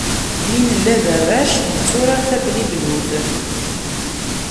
Mi nella d arrac, netturar tablibult.